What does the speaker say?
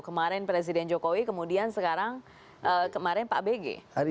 kemarin presiden jokowi kemudian sekarang kemarin pak bg